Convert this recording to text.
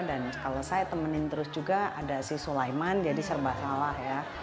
dan kalau saya temenin terus juga ada si sulaiman jadi serba salah ya